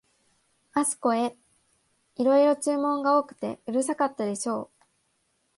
あすこへ、いろいろ注文が多くてうるさかったでしょう、